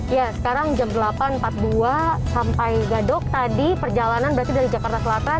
ya sekarang jam delapan empat puluh dua sampai gadok tadi perjalanan berarti dari jakarta selatan